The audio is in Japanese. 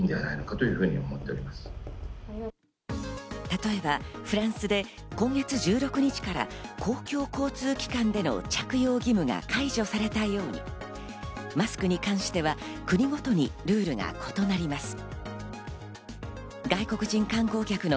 例えばフランスで今月１６日から公共交通機関での着用義務が解除されたようにマスクに関しては国ごとにルールが異なります。